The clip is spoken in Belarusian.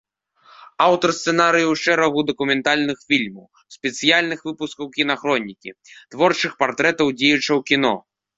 Аўтар сцэнарыяў шэрагу дакументальных фільмаў, спецыяльных выпускаў кінахронікі, творчых партрэтаў дзеячаў кіно.